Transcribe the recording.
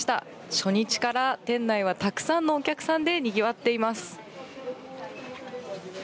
初日から店内はたくさんのお客さんでにぎわっています。